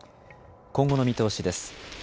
今後の見通しです。